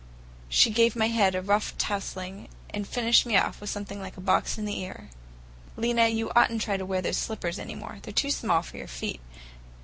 She gave my head a rough touzling and finished me off with something like a box on the ear. "Lena, you ought n't to try to wear those slippers any more. They're too small for your feet.